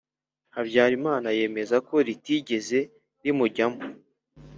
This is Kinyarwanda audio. habyarimana yemezako ritigeze rimujyamo.